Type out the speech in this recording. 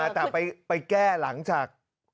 แต่ไปแก้หลังจาก